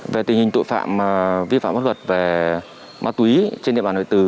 về tình hình tội phạm vi phạm văn hợp về ma túy trên địa bàn huyện từ